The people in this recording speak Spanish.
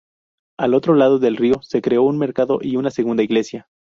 Al otro lado del río se creó un mercado y una segunda iglesia.